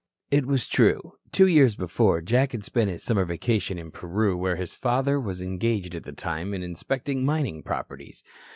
It was true. Two years before Jack had spent his summer vacation in Peru where his father was engaged at the time in inspecting mining properties.